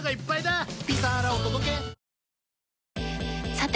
さて！